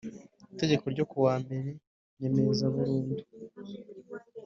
itegeko ryo ku wa mbere ryemeza burundu